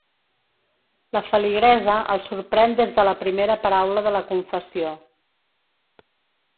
La feligresa el sorprèn des de la primera paraula de la confessió.